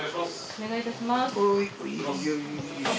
お願いいたします。